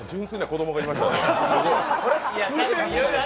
あ、純粋な子供がいましたね